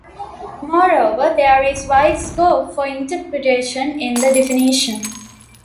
Moreover, there is wide scope for interpretation in the definition.